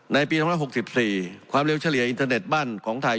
ในปี๒๖๔ความเร็วเฉลี่ยอินเทอร์เน็ตบ้านของไทย